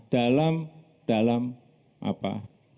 dalam dalam apa